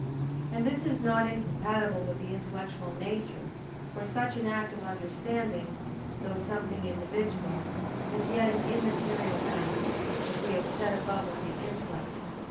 And this is not incompatible with the intellectual nature: for such an act of understanding, though something individual, is yet an immaterial act, as we have said above of the intellect (Q.